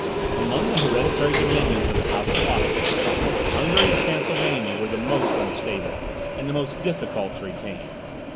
Among the hereditary dominions of the House of Austria, Hungary and Transylvania were the most unstable, and the most difficult to retain.